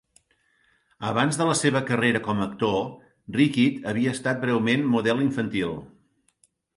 Abans de la seva carrera com a actor, Rickitt havia estat breument model infantil.